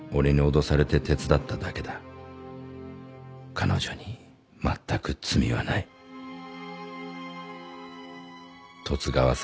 「彼女にまったく罪はない」「十津川さん